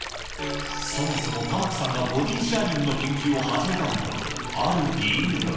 そもそも玉城さんがボディシアリングの研究を始めたのには、ある理由が。